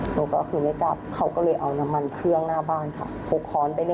หนูก็คือไม่กลับเขาก็เลยเอาน้ำมันเครื่องหน้าบ้านค่ะ